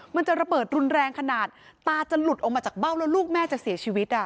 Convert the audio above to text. มันจะระเบิดรุนแรงขนาดตาจะหลุดออกมาจากเบ้าแล้วลูกแม่จะเสียชีวิต